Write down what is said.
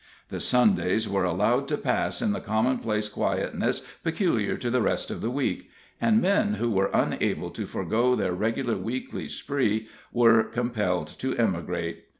The Sundays were allowed to pass in the commonplace quietness peculiar to the rest of the week, and men who were unable to forego their regular weekly spree were compelled to emigrate.